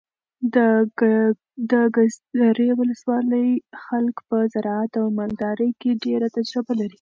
د ګذرې ولسوالۍ خلک په زراعت او مالدارۍ کې ډېره تجربه لري.